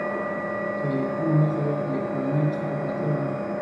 که یې کومه نخښه یا د پوړني څوکه پرته وه.